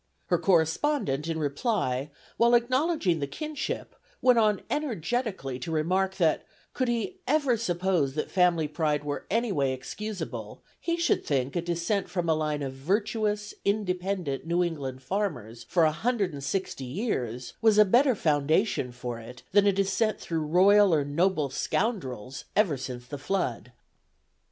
Her correspondent, in reply, while acknowledging the kinship, went on energetically to remark that, could he 'ever suppose that family pride were any way excusable, [he] should think a descent from a line of virtuous, independent New England farmers for a hundred and sixty years was a better foundation for it than a descent through royal or noble scoundrels ever since the flood.'"